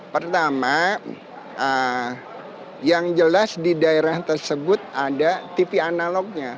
pertama yang jelas di daerah tersebut ada tv analognya